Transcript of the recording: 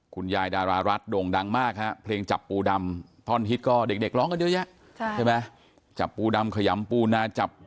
คุณยายดารารัฐโด่งดังมากฮะเพลงจับปูดำ